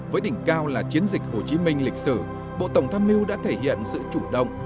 với đỉnh cao là chiến dịch hồ chí minh lịch sử bộ tổng tham mưu đã thể hiện sự chủ động